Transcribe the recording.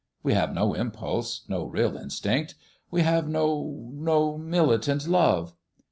We have no impulse, no real instinct. We have no no militant love."